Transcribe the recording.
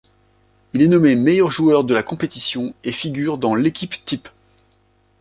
Il est nommé meilleur joueur de la compétition et figure dans l'équipe-type.